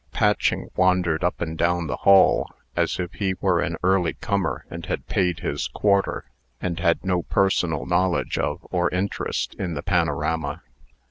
Patching wandered up and down the hall, as if he were an early comer, and had paid his quarter, and had no personal knowledge of or interest in the panorama.